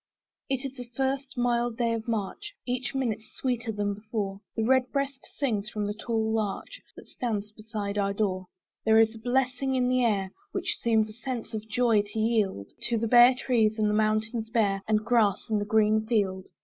It is the first mild day of March: Each minute sweeter than before, The red breast sings from the tall larch That stands beside our door. There is a blessing in the air, Which seems a sense of joy to yield To the bare trees, and mountains bare, And grass in the green field.